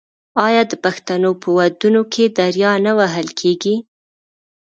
آیا د پښتنو په ودونو کې دریا نه وهل کیږي؟